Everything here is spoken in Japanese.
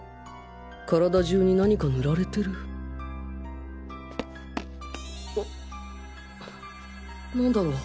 体中に何か塗られてるなんだろ？